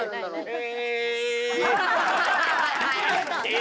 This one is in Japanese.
え